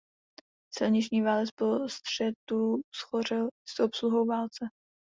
Silniční válec po střetu shořel i s obsluhou válce.